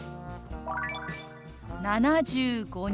「７５人」。